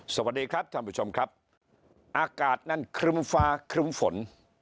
สวัสดีครับท่านผู้ชมครับอากาศนั้นครึ้มฟ้าครึ้มฝน